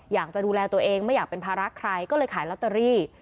อยากจะดูแลตัวเองไม่อยากเป็นภาระใครก็เลยขายลอตเตอรี่